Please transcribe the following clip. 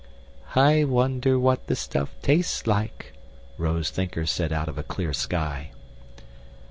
"I wonder what the stuff tastes like," Rose Thinker said out of a clear sky.